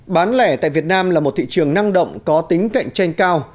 bán lẻ tại việt nam là một thị trường năng động có tính cạnh tranh cao